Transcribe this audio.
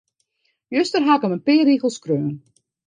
Juster haw ik him in pear rigels skreaun.